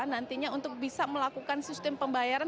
nantinya untuk bisa melakukan sistem pembayaran